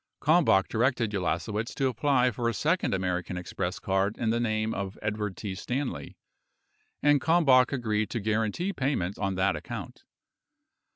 Kalmbach directed Ulasewicz to apply for a sec ond American Express card in the name of Edward T. Stanley, and Kalmbach agreed to guarantee payment on that account.